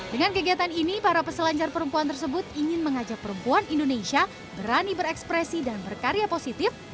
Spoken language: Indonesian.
dengan kegiatan ini para peselancar perempuan tersebut ingin mengajak perempuan indonesia berani berekspresi dan berkarya positif